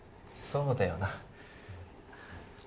そうだよな。